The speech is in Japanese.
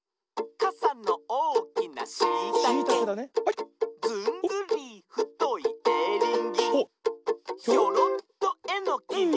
「カサのおおきなシイタケ」「ずんぐりふといエリンギ」「ひょろっとエノキに」